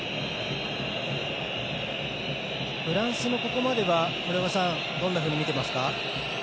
フランスのここまではどんなふうに見ていますか？